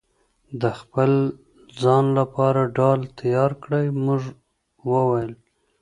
د خپل ځان لپاره ډال تيار کړئ!! مونږ وويل: